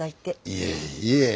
いえいえ。